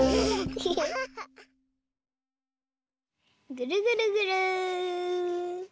ぐるぐるぐる。